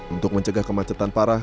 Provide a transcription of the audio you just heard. untuk mencegah kemacetan parah